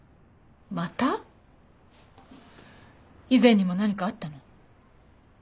以前にも何かあったの？